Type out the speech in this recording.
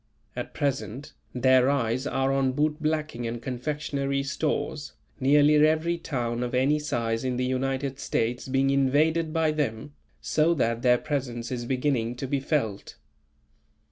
At present, their eyes are on bootblacking and confectionery stores, nearly every town of any size in the United States being invaded by them, so that their presence is beginning to be felt.